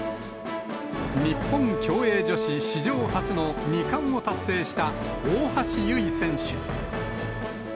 日本競泳女子史上初の２冠を達成した大橋悠依選手。